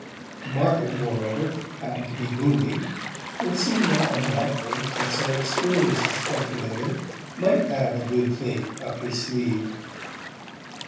The market, moreover, happened to be booming, and it seemed not unlikely that so experienced a speculator might have a "good thing" up his sleeve.